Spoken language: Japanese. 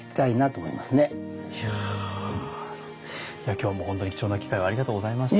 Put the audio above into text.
今日も本当に貴重な機会をありがとうございました。